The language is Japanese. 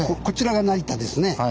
こちらが成田ですね。